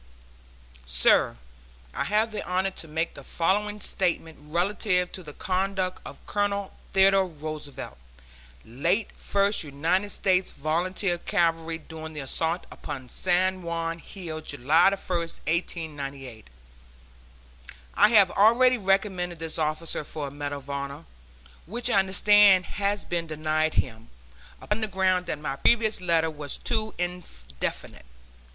SIR: I have the honor to make the following statement relative to the conduct of Colonel Theodore Roosevelt, late First United States Volunteer Cavalry, during the assault upon San Juan Hill, July 1, 1898. I have already recommended this officer for a medal of honor, which I understand has been denied him, upon the ground that my previous letter was too indefinite.